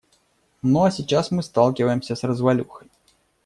Ну а сейчас мы сталкиваемся с развалюхой.